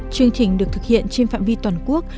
chương trình được thực hiện trên phạm vi toàn quốc